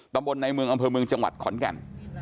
ตำบลในเมืองอำเภอเมืองจังหวัดขอนแก่น